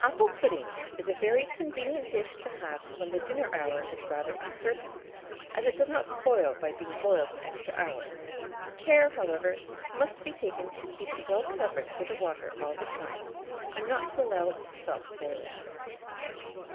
Apple pudding is a very convenient dish to have when the dinner hour is rather uncertain, as it does not spoil by being boiled an extra hour; care, however, must be taken to keep it well covered with the water all the time, and not to allow it to stop boiling.